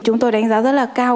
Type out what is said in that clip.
chúng tôi đánh giá rất là cao